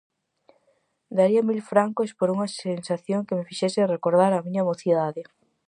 Daría mil francos por unha sensación que me fixese recordar a miña mocidade.